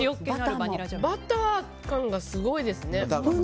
バター感がすごいですね。